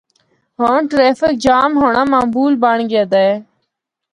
ہور traffic jam ہونڑا معمول بنڑ گیا دا ہے۔